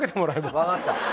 分かった。